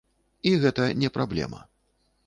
І гэта не праблема.